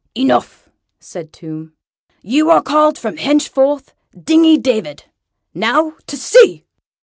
"Enough," said Tomb; "you are called from henceforth Dingy David. Now to sea!"